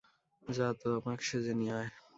যা, তামাক সেজে নিয়ে আয়।